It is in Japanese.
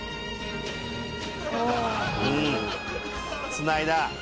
つないだ。